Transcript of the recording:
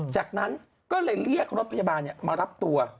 จากนั้นก็เลยเรียกรถพยาบาลมารับตัว